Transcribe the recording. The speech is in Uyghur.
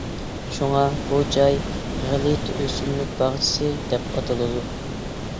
شۇڭا بۇ جاي «غەلىتە ئۆسۈملۈك باغچىسى» دەپ ئاتىلىدۇ.